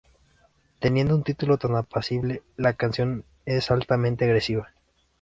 Teniendo un título tan apacible, la canción es altamente agresiva.